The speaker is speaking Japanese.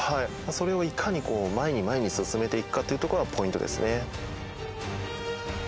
それをいかに前に前に進めていくかというところがポイントですね。